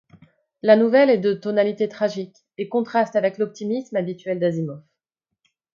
La nouvelle est de tonalité tragique et contraste avec l'optimisme habituel d'Asimov.